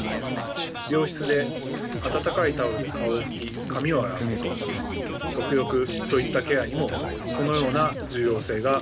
病室で温かいタオルで顔を拭き髪を洗うこと足浴といったケアにもそのような重要性があるでしょう。